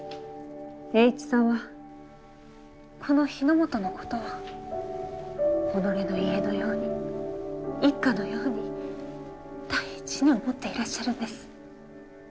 栄一さんはこの日の本のことを己の家のように、一家のように大事に思っていらっしゃるんです。